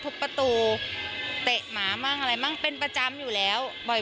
ประตูเตะหมามั่งอะไรมั่งเป็นประจำอยู่แล้วบ่อย